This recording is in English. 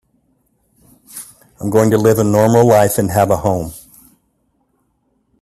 I'm going to live a normal life and have a home.